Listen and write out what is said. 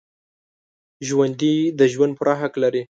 ژوندي د ژوند پوره حق لري